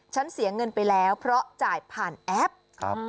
เสียเงินไปแล้วเพราะจ่ายผ่านแอป